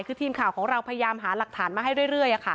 คือทีมข่าวของเราพยายามหาหลักฐานมาให้เรื่อย